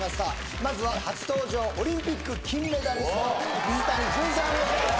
まずは初登場オリンピック金メダリストの水谷隼さんお願いします